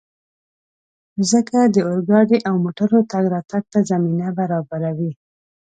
مځکه د اورګاډي او موټرو تګ راتګ ته زمینه برابروي.